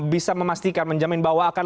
bisa memastikan menjamin bahwa akan